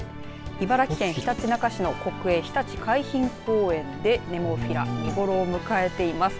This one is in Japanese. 茨城県ひたちなか市の国営ひたち海浜公園でネモフィラ見頃を迎えています。